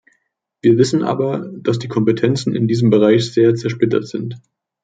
Wir wissen aber, dass die Kompetenzen in diesem Bereich sehr zersplittert sind.